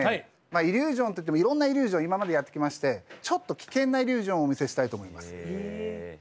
イリュージョンといってもいろんなイリュージョン今までやってきましてちょっと危険なイリュージョンをお見せしたいと思います。